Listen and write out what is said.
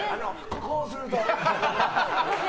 こうすると。